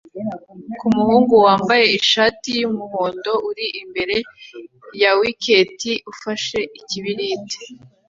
kumuhungu wambaye ishati yumuhondo uri imbere ya wiketi ufashe ikibiriti